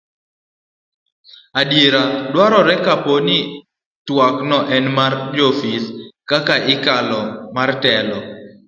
adiera dwarore kapo ni twak no en mar joofis kaka dialo mar telo